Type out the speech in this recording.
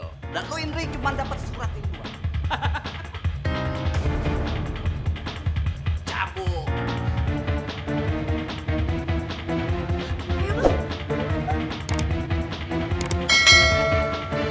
kalau gak dapat surat gue ambil